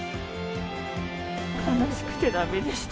悲しくてだめでした。